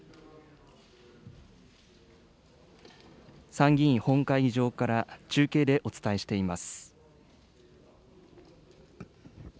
参議院本会議場から、中継でお伝えしています。